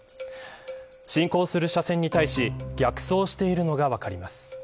進行する車線に対し逆走しているのが分かります。